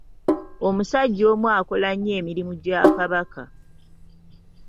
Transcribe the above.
Omusajja omu akola nnyo emirimu gya Kabaka.